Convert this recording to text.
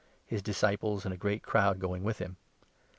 his disciples and a great crowd going with him.